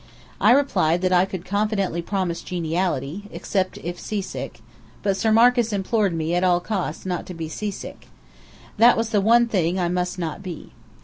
I replied that I could confidently promise geniality, except if seasick: but Sir Marcus implored me at all costs not to be seasick. That was the one thing I must not be.